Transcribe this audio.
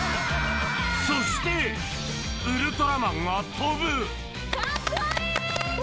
そしてウルトラマンが飛ぶかっこいい！